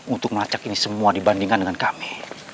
untuk melacak ini semua dibandingkan dengan kami